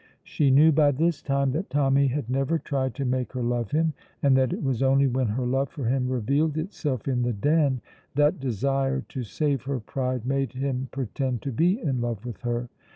She knew by this time that Tommy had never tried to make her love him, and that it was only when her love for him revealed itself in the Den that desire to save her pride made him pretend to be in love with her.